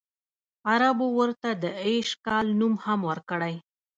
عربو ورته د ایش کال نوم هم ورکړی.